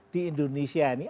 di indonesia ini